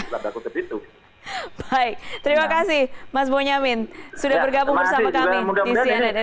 baik terima kasih mas bonyamin sudah bergabung bersama kami di cnn indonesia news